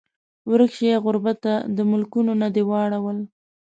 ورک شې ای غربته د ملکونو نه دې واړول